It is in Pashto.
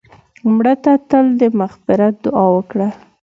مړه ته تل د مغفرت دعا وکړه